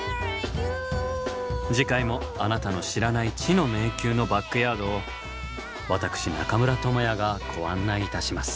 次回もあなたの知らない「知の迷宮」のバックヤードを私中村倫也がご案内いたします。